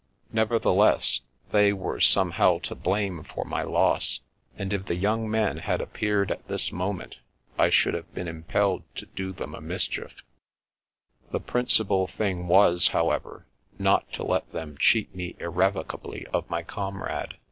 Nevertheless, they were somehow to blame for my loss, and if the it The Vanishing of the Prince 315 young men had appeared at this moment, I should have been impelled to do them a mischief. The principal thing was, however, not to let them cheat me irrevocably of my comrade.